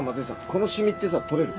このシミってさ取れる？